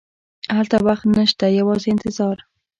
هلته وخت نه شته، یوازې انتظار.